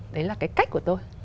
đấy là cái cách của tôi